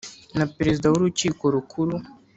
na Perezida w Urukiko Rukuru